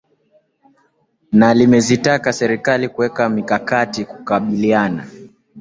na limezitaka serikali kuweka mikakati kukabiliana